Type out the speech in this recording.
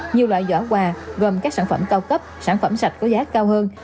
nhiều loại giỏ quà gồm các sản phẩm cao cấp sản phẩm sạch có giá cao hơn